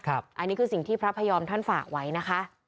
อันนี้คือสิ่งที่พระพยอมท่านฝากไว้นะคะ